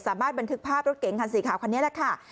บันทึกภาพรถเก๋งคันสีขาวคันนี้แหละค่ะ